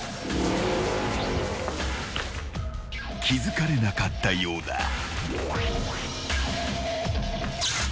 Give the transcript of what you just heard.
［気付かれなかったようだ］